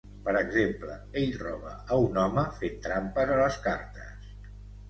Per exemple, ell roba a un home fent trampes a les cartes.